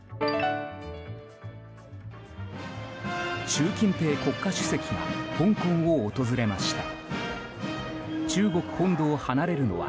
習近平国家主席が香港を訪れました。